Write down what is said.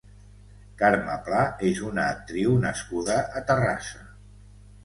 Carme Pla és una actriu nascuda a Terrassa.